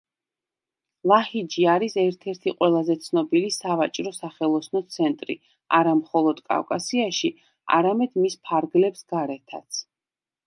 ლაჰიჯი არის ერთ-ერთი ყველაზე ცნობილი სავაჭრო-სახელოსნო ცენტრი არა მხოლოდ კავკასიაში, არამედ მის ფარგლებს გარეთაც.